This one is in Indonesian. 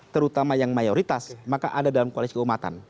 terutama yang mayoritas maka ada dalam koalisi keumatan